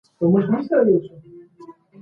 ما تېره شپه د مسلمانانو د یووالي په اړه فکر وکړی.